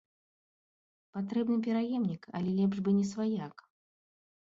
Патрэбны пераемнік, але лепш бы не сваяк.